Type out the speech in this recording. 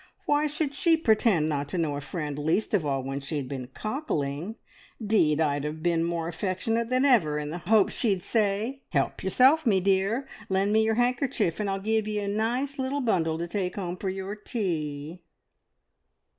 Why should she pretend not to know a friend least of all when she'd been cockling? 'Deed, I'd have been more affectionate than ever, in the hope she'd say, `Help yourself, me dear! Lend me your handkerchief, and I'll give ye a nice little bundle to take home for your tea!'"